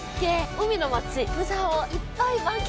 海の街、釜山をいっぱい満喫。